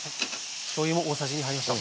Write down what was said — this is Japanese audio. しょうゆも大さじ２入りました。